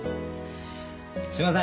すいません